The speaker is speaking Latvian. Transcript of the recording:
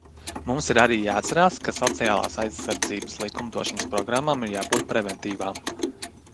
Mums ir arī jāatceras, ka sociālās aizsardzības likumdošanas programmām ir jābūt preventīvām.